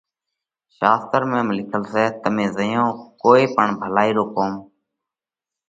شاستر ۾ ام لکل سئہ: تمي زئيون ڪوئي پڻ ڀلائِي رو ڪوم،